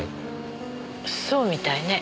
そうみたいね。